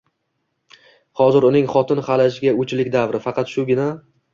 Hozir uning xotin-xalajga o`chlik davri, faqat shugina